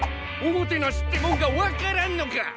おもてなしってもんが分からんのか！？